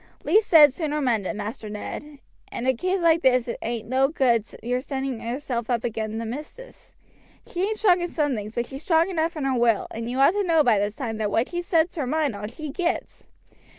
Least said sooner mended, Master Ned; in a case like this it ain't no good your setting yourself up agin the missis. She ain't strong in some things, but she's strong enough in her will, and you ought to know by this time that what she sets her mind on she gets.